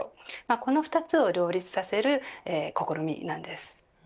この２つを両立させる試みなんです。